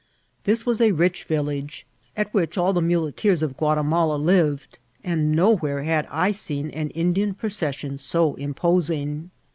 This was a rich Tillage, at which all the mnleteerB of Gnatimala lived; and nowhere had I seen an Indian procession so inqposing.